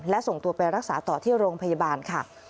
และส่งตัวไปรักษาต่อที่โรงพยาบาลค่ะ